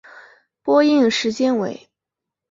播映时间为。